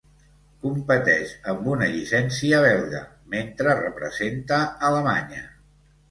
Competeix amb una llicència belga, mentre representa Alemanya.